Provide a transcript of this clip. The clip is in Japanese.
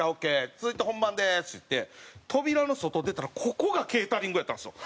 続いて本番です」っていって扉の外出たらここがケータリングやったんですよ。